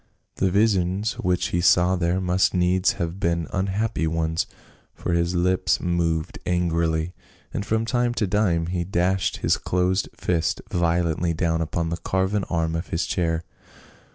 The visions which he saw there must needs have been unhappy ones, for his lips moved angrily, and from time to time he dashed his closed fist violently down upon the carven arm of his chair.